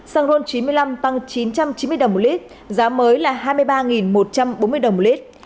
xăng ron chín mươi năm tăng chín trăm chín mươi đồng một lít giá mới là hai mươi ba một trăm bốn mươi đồng một lít